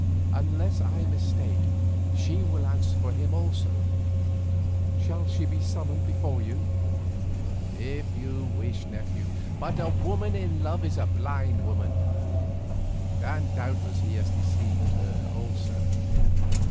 Unless I mistake she will answer for him also. Shall she be summoned before you?" "If you wish, nephew; but a woman in love is a blind woman, and doubtless he has deceived her also.